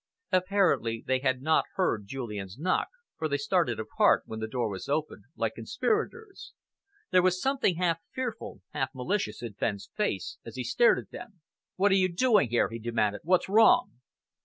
Apparently they had not heard Julian's knock, for they started apart, when the door was opened, like conspirators. There was something half fearful, half malicious in Fenn's face, as he stared at them. "What are you doing here?" he demanded. "What's wrong?"